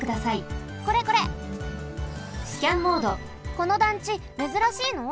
この団地めずらしいの？